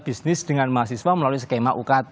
bisnis dengan mahasiswa melalui skema ukt